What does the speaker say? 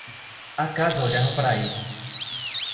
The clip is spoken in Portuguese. A casa olhava para ele.